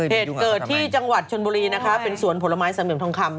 เหตุเกิดที่จังหวัดชนบุรีนะคะเป็นสวนผลไม้สามเหลี่ยมทองคำ